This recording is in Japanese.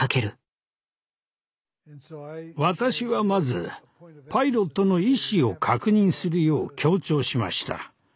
私はまずパイロットの意思を確認するよう強調しました。